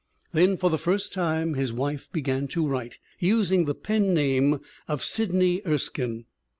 Then for the first time his wife began to write, using the pen name of Sidney Er skine.